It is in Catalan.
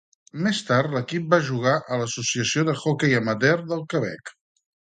Més tard l'equip va jugar a l'Associació de Hockey Amateur del Quebec.